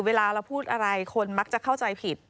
เวลาเราพูดอะไรคนมักจะเข้าใจผิด